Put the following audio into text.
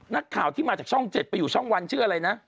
นักข่าวที่มาจากช่อง๗ไปอยู่ช่องวันชื่ออะไรนะ